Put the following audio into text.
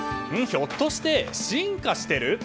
ひょっとして進化してる？